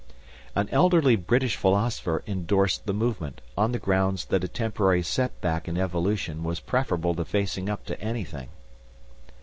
An elderly British philosopher endorsed the movement, on the grounds that a temporary setback in Evolution was preferable to facing up to anything.